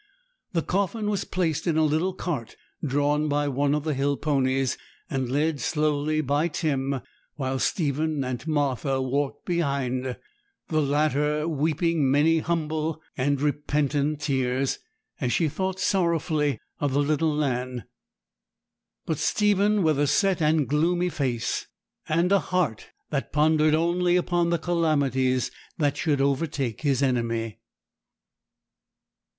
The coffin was placed in a little cart, drawn by one of the hill ponies, and led slowly by Tim; while Stephen and Martha walked behind, the latter weeping many humble and repentant tears, as she thought sorrowfully of little Nan; but Stephen with a set and gloomy face, and a heart that pondered only upon the calamities that should overtake his enemy.